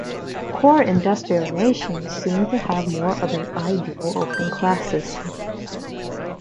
Core industrial nations seem to have more of an ideal open class system.